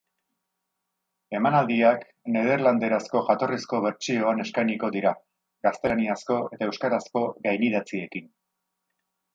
Emanaldiak nederlanderazko jatorrizko bertsioan eskainiko dira, gaztelaniazko eta euskarazko gainidatziekin.